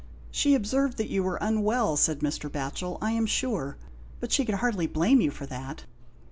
" She observed that you were unwell," said Mr. Batchel, " I am sure ; but she could hardly blame you for that."